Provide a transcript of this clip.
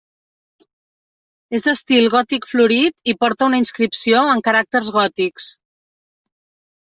És d'estil gòtic florit i porta una inscripció en caràcters gòtics.